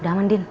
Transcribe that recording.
udah aman din